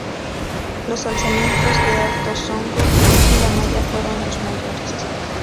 Los alzamientos de Alto Songo y La Maya fueron los mayores.